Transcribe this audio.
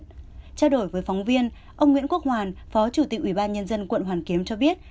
trao đổi với phóng viên ông nguyễn quốc hoàn phó chủ tịch ủy ban nhân dân quận hoàn kiếm cho biết